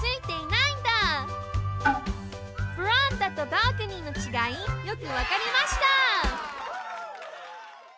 ベランダとバルコニーのちがいよくわかりました！